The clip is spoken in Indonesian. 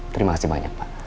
terima kasih banyak pak